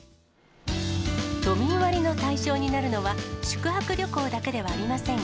都民割の対象になるのは、宿泊旅行だけではありません。